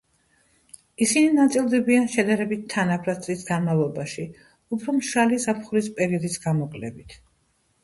ისინი ნაწილდებიან შედარებით თანაბრად წლის განმავლობაში, უფრო მშრალი ზაფხულის პერიოდის გამოკლებით.